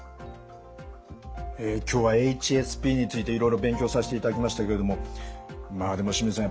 今日はＨＳＰについていろいろ勉強させていただきましたけれどもまあでも清水さん